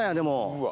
うわ。